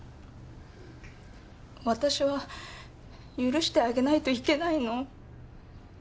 私は許してあげないといけないの？